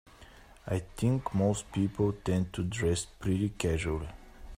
I think most people tend to dress pretty casually.